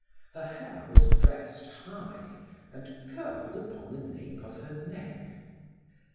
Her hair was dressed high and curled on the nape of her neck.